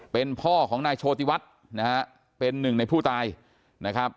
เป็นพ่อของนายโชติวัฒน์นะฮะเป็นหนึ่งในผู้ตายนะครับ